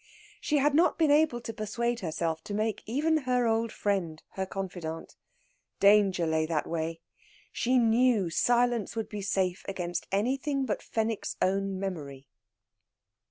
She had not been able to persuade herself to make even her old friend her confidant. Danger lay that way. She knew silence would be safe against anything but Fenwick's own memory.